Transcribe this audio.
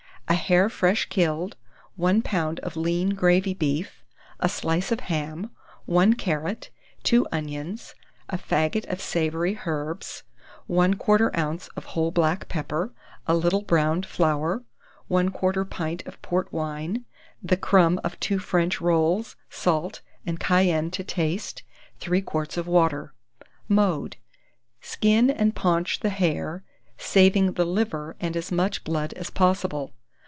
A hare fresh killed, 1 lb. of lean gravy beef, a slice of ham, 1 carrot, 2 onions, a faggot of savoury herbs, 1/4 oz. of whole black pepper, a little browned flour, 1/4 pint of port wine, the crumb of two French rolls, salt and cayenne to taste, 3 quarts of water. Mode. Skin and paunch the hare, saving the liver and as much blood as possible.